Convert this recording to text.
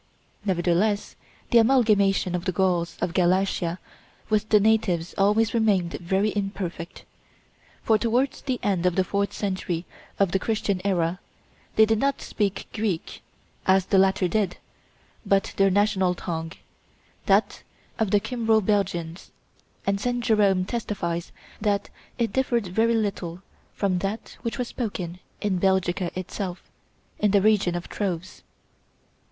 Nevertheless the amalgamation of the Gauls of Galatia with the natives always remained very imperfect; for towards the end of the fourth century of the Christian era they did not speak Greek, as the latter did, but their national tongue, that of the Kymro Belgians; and St. Jerome testifies that it differed very little from that which was spoken in Belgica itself, in the region of Troves.